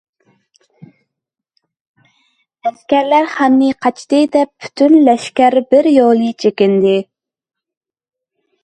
ئەسكەرلەر خاننى قاچتى دەپ پۈتۈن لەشكەر بىر يولى چېكىندى.